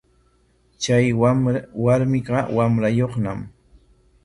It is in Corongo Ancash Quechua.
Chay warmiqa wamrayuqñam.